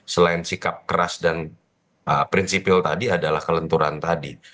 selain sikap keras dan prinsipil tadi adalah kelenturan tadi